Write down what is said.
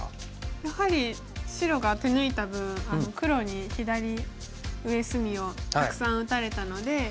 やはり白が手抜いた分黒に左上隅をたくさん打たれたので。